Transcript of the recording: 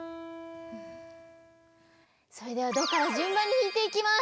それではドからじゅんばんにひいていきます。